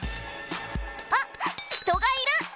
あ人がいる！